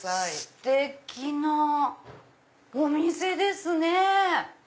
ステキなお店ですね。